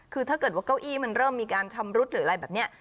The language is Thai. คือถ้าเกิดว่าเก้าอี้มันเริ่มมีการชำรุดหรืออะไรแบบนี้